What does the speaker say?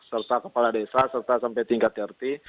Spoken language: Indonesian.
serta kepala desa serta sampai tingkat rt